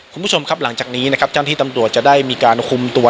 คุณผู้ชมครับหลังจากนี้นะครับเจ้าหน้าที่ตำรวจจะได้มีการคุมตัว